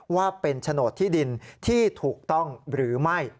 ว่าเป็นโฉนดที่ดินที่ถูกต้องหรือไม่